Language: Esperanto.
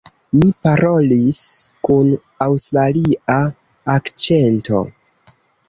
Mi parolis kun aŭstralia akĉento.